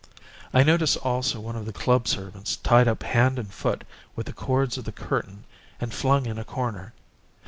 I noticed also one of the club servants tied up hand and foot with the cords of the curtain and flung in a corner.